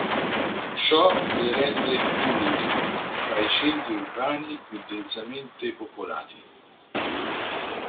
Ciò le rende uniche tra i centri urbani più densamente popolati.